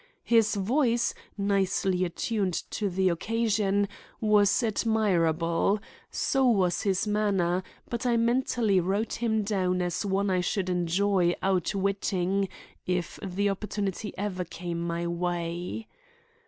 His voice, nicely attuned to the occasion, was admirable; so was his manner; but I mentally wrote him down as one I should enjoy outwitting if the opportunity ever came my way.